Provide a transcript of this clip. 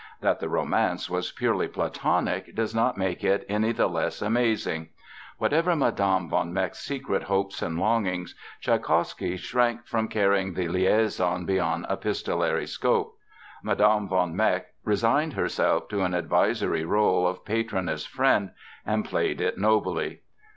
That the "romance" was purely platonic does not make it any the less "amazing." Whatever Mme. von Meck's secret hopes and longings, Tschaikowsky shrank from carrying the liaison beyond epistolary scope. Mme. von Meck resigned herself to an advisory role of patroness friend, and played it nobly.